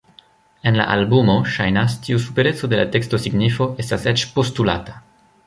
En la albumo, ŝajnas, tiu supereco de la tekstosignifo estas eĉ postulata.